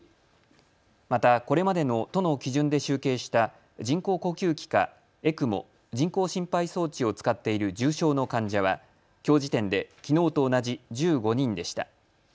またこれまでの都の基準で集計した人工呼吸器か、ＥＣＭＯ・人工心肺装置を使っている重症の患者はきょう時点で、きのうと同じ１５人でした。